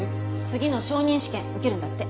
次の昇任試験受けるんだって。